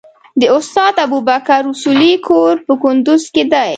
د استاد ابوبکر اصولي کور په کندوز کې دی.